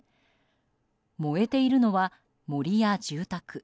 燃えているのは森や住宅。